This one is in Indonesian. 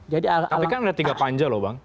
tapi kan ada tiga panja loh bang